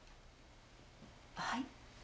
はい？